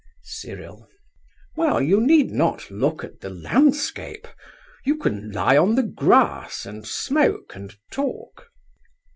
CYRIL. Well, you need not look at the landscape. You can lie on the grass and smoke and talk.